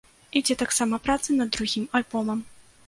Ідзе таксама праца над другім альбомам.